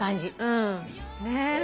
うん。ねえ。